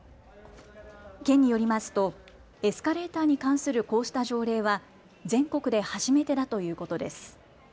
県によりますとエスカレーターに関するこうした条例は全国で初めてだということです。